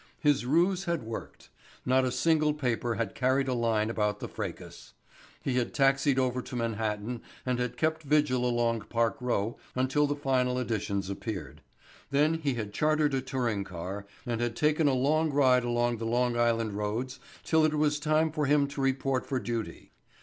His ruse had worked. Not a single paper had carried a line about the fracas. He had taxied over to Manhattan and had kept vigil along Park Row until the final editions appeared. Then he had chartered a touring car and had taken a long ride along the Long Island roads until it was time for him to report for duty.